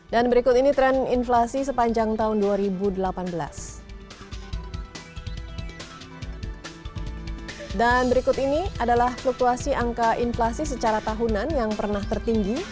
dan berikut ini adalah fluktuasi angka inflasi secara tahunan yang pernah tertinggi